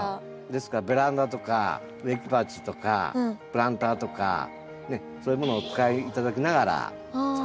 ですからベランダとか植木鉢とかプランターとかねそういうものをお使い頂きながら作ることもできます。